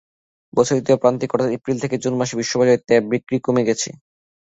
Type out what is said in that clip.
বছরের দ্বিতীয় প্রান্তিক অর্থাৎ এপ্রিল থেকে জুন মাসে বিশ্ববাজারে ট্যাব বিক্রি কমে গেছে।